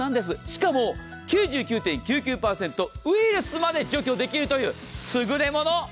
しかも９９．９９％ウイルスまで除去できるという優れ物。